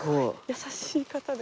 優しい方で。